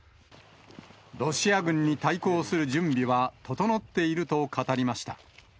ロシア軍に対抗する準備は、整っていると語りました。